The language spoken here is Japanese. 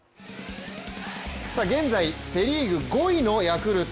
現在セ・リーグ５位のヤクルト。